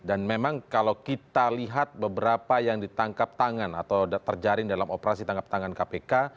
dan memang kalau kita lihat beberapa yang ditangkap tangan atau terjarin dalam operasi tangkap tangan kpk